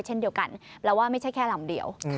เช่นเดียวกันแปลว่าไม่ใช่แค่ลำเดียว